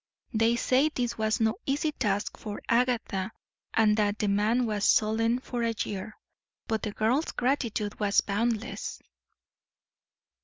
They say this was no easy task for Agatha, and that the man was sullen for a year. But the girl's gratitude was boundless.